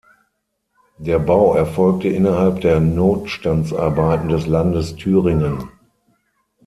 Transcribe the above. Der Bau erfolgte innerhalb der Notstandsarbeiten des Landes Thüringen.